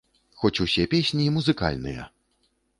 Хоць усе песні музыкальныя!